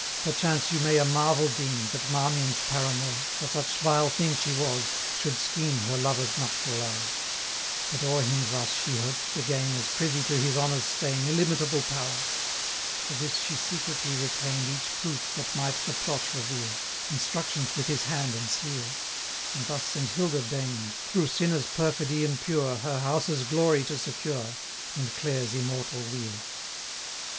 Perchance you may a marvel deem, That Marmion's paramour (For such vile thing she was) should scheme 665 Her lover's nuptial hour; But o'er him thus she hoped to gain, As privy to his honour's stain, Illimitable power: For this she secretly retain'd 670 Each proof that might the plot reveal, Instructions with his hand and seal; And thus Saint Hilda deign'd, Through sinners' perfidy impure, Her house's glory to secure, 675 And Clare's immortal weal.